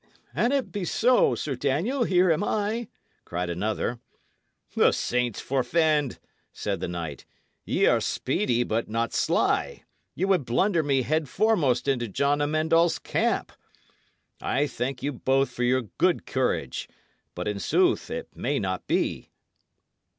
"An't be so, Sir Daniel, here am I," cried another. "The saints forfend!" said the knight. "Y' are speedy, but not sly. Ye would blunder me headforemost into John Amend All's camp. I thank you both for your good courage; but, in sooth, it may not be."